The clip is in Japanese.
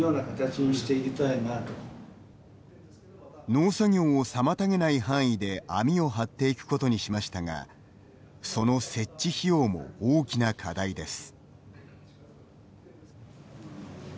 農作業を妨げない範囲で網を張っていくことにしましたがその設置費用も大きな課題です。